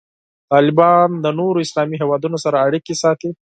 طالبان د نورو اسلامي هیوادونو سره اړیکې ساتي.